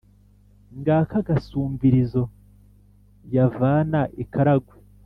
ngaka agasumbirizo yavana i karagwe,